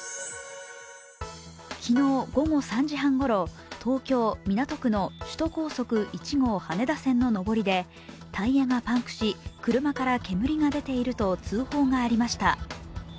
昨日午後３時半ごろ、東京・港区の首都高速１号羽田線の上りで、タイヤがパンクし、車から煙が出ていると通報がありました。